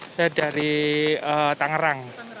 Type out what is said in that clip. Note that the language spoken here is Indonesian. saya dari tangerang